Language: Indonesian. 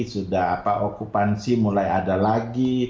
sudah okupansi mulai ada lagi